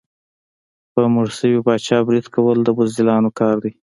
په مړ شوي پاچا برید کول د بزدلانو کار دی.